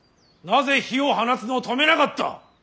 なぜ火を放つのを止めなかった！